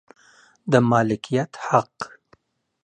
د مالکیت حق